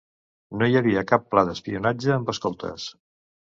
No hi havia cap pla d’espionatge amb escoltes.